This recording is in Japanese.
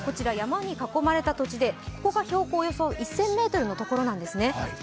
山に囲まれた土地でここがおよそ標高１０００ｍのところなんですね。